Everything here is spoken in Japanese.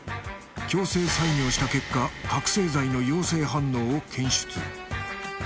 強制採尿した結果覚醒剤の陽性反応を検出